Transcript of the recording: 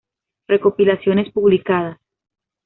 Recopilaciones publicadas